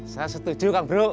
saya setuju kang bro